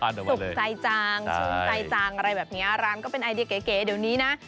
สุขใจจังชื่นใจจังอะไรแบบนี้ร้านก็เป็นไอเดียเก๋เดี๋ยวนี้นะ